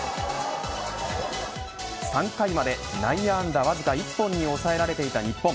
３回まで、内野安打わずか１本に抑えられていた日本。